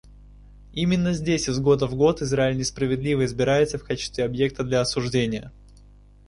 Именно здесь из года в год Израиль несправедливо избирается в качестве объекта для осуждения.